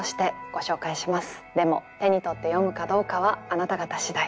でも手に取って読むかどうかはあなた方次第。